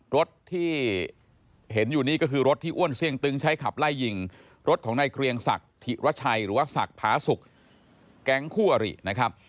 รถที่เห็นอยู่นี่ก็คือรถที่อ้วนเสี่ยงตึงใช้ขับไล่ยิงรถของนายเกรียงศักดิ์ธิระชัยหรือว่าศักดิ์ผาสุกแก๊งคู่อรินะครับ